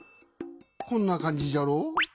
こんな感じじゃろ。